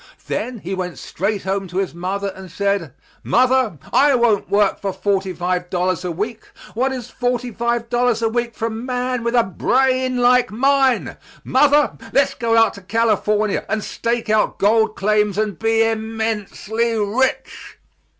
Then he went straight home to his mother and said, "Mother, I won't work for forty five dollars a week. What is forty five dollars a week for a man with a brain like mine! Mother, let's go out to California and stake out gold claims and be immensely rich."